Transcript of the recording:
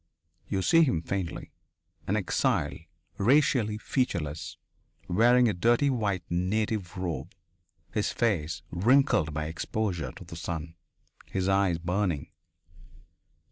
You see him faintly an exile, racially featureless, wearing a dirty white native robe, his face wrinkled by exposure to the sun, his eyes burning.